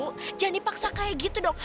oh jangan dipaksa kayak gitu dong